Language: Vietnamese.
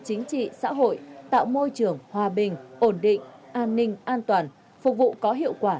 chính trị xã hội tạo môi trường hòa bình ổn định an ninh an toàn phục vụ có hiệu quả